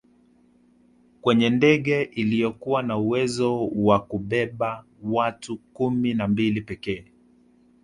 kwenye ndege iliyokuwa na uwezo wa kuwabeba watu kumi na mbili pekee